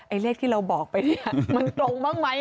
ไอ้เลขที่เราบอกไปมันตรงบ้างไหม